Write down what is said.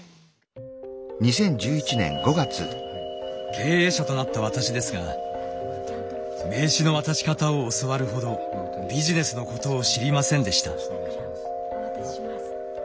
経営者となった私ですが名刺の渡し方を教わるほどビジネスのことを知りませんでした。